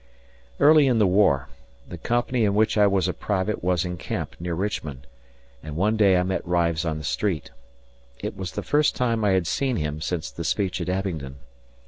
Early in the war, the company in which I was a private was in camp near Richmond, and one day I met Rives on the street. It was the first time I had seen him since the speech at Abingdon.